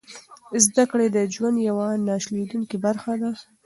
زده کړه د ژوند یوه نه شلېدونکې برخه ده.